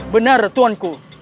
benar tuan ku